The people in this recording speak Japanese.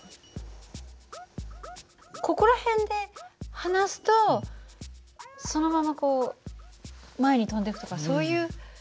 ここら辺で放すとそのままこう前に飛んでいくとかそういう事はどうだろう？